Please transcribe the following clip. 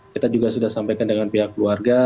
kita juga sudah sampaikan dengan pihak keluarga